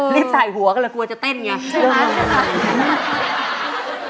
รีบใส่หัวก็เลยกลัวจะเต้นอย่างนี้